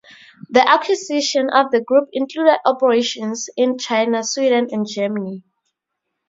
The acquisition of the group included operations in China, Sweden and Germany.